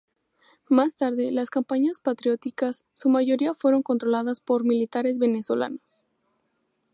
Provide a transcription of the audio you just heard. Más tarde, las campañas patrióticas su mayoría fueron controladas por militares venezolanos.